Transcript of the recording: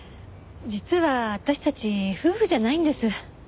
実は私たち夫婦じゃないんです。